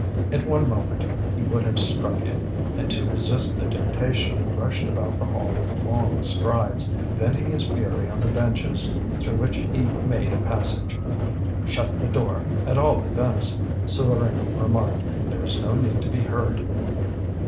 At one moment he would have struck him, and to resist the temptation he rushed about the hall with long strides, venting his fury on the benches through which he made a passage. "Shut the door, at all events," Souvarine remarked. "There is no need to be heard."